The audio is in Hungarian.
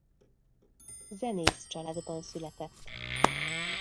Zenész családban született.